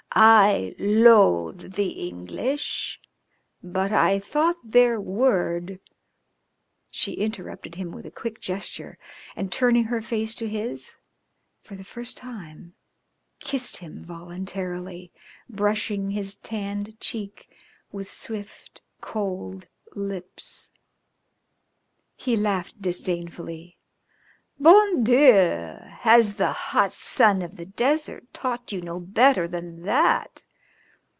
I loathe the English, but I thought their word " She interrupted him with a quick gesture, and, turning her face to his, for the first time kissed him voluntarily, brushing his tanned cheek with swift, cold lips. He laughed disdainfully. "Bon Dieu! Has the hot sun of the desert taught you no better than that?